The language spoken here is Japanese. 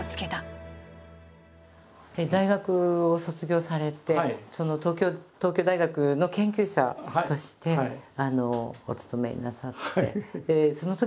大学を卒業されて東京大学の研究者としてお勤めなさって。